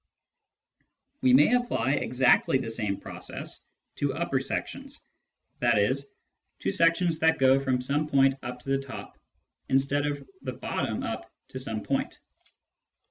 We may apply exactly the same process to upper sections, i.e. to sections that go from some point up to the top, instead of from the bottom up to some point.